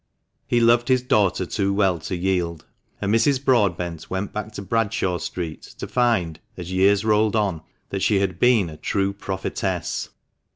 He loved his daughter too well to yield, and Mrs. Broadbent went back to Bradshaw Street to find, as years rolled on, that she had been a true prophetess.